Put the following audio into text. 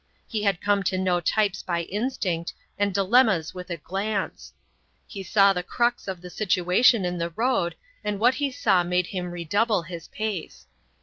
He had come to know types by instinct and dilemmas with a glance; he saw the crux of the situation in the road, and what he saw made him redouble his pace.